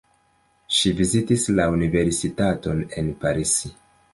Ŝi vizitis la universitaton en Paris.